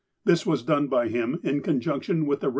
This was done by him in conjunction with the Eev.